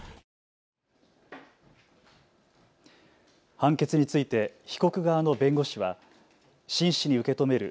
判決について被告側の弁護士は真摯に受け止める。